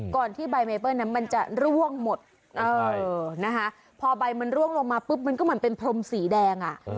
ที่ใบเมเปิ้ลนั้นมันจะร่วงหมดพอใบมันร่วงลงมาปุ๊บมันก็เหมือนเป็นพรมสีแดง